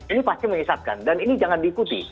ini pasti menyesatkan dan ini jangan diikuti